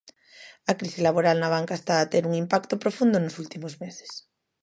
A crise laboral na banca está a ter un impacto profundo nos últimos meses.